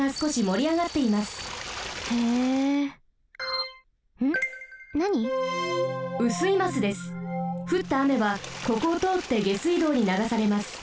ふったあめはここをとおって下水道にながされます。